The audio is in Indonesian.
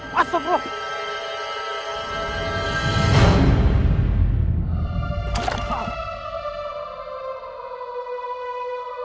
lo sudah nunggu